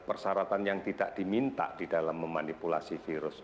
persyaratan yang tidak diminta di dalam memanipulasi virus